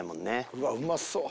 うわっうまそう。